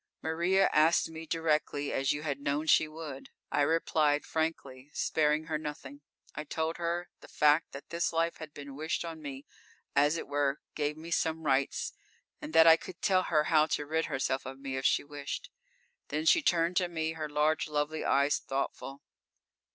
_ _Maria asked me directly, as you had known she would. I replied frankly, sparing her nothing. I told her that the fact that this life had been wished on me, as it were, gave me some rights, and that I could tell her how to rid herself of me, if she wished. Then she turned to me, her large, lovely eyes thoughtful.